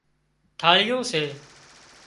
ٿاۯيون سي